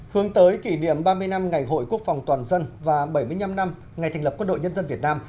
hướng tới kỷ niệm ba mươi năm ngày hội quốc phòng toàn dân và bảy mươi năm năm ngày thành lập quân đội nhân dân việt nam